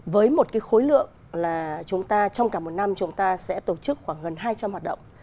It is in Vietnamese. với một cái khối lượng là chúng ta trong cả một năm chúng ta sẽ tổ chức khoảng gần hai trăm linh hoạt động